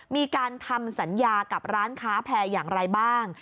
มีการทำสัญญากับร้านค้าแพร่อย่างไรบ้าง